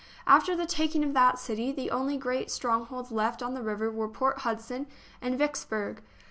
After the taking of that city, the only great strong holds left on the river were Port Hudson and Vicks burg.